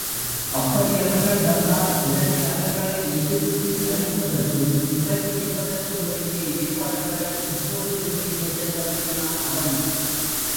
அப்படி அவர்கள் வந்தால் உடனே அவர்களை எதிர்த்து அழிப்பதற்கும் சிறைப்பிடிப்பதற்கும் வேண்டிய ஏற்பாடுகளை இப்போதிருந்தே செய்யத் தொடங்கினான் அவன்.